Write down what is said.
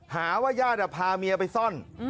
หาว่าญาติพาเมียไปซ่อน